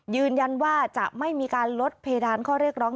ยืนยันว่าจะไม่มีการลดเพดานข้อเรียกร้อง